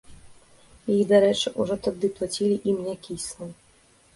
І, дарэчы, ужо тады плацілі ім някісла.